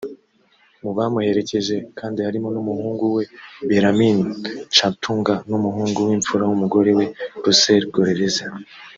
Mu bamuherekeje kandi harimo n’umuhungu we Bellarmine Chatunga n’umuhungu w’imfura y’umugore we Russell Goreraza